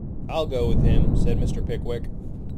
‘I’ll go with him,’ said Mr. Pickwick.